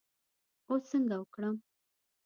اوس څنګه وکړم.